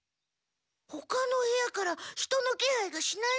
ほかの部屋から人の気配がしないんだけど。